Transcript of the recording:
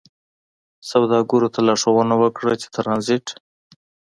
سوداګرو ته لارښوونه وکړه چې ترانزیت